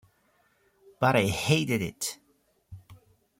But I hated it.